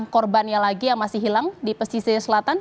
korbannya lagi yang masih hilang di pesisir selatan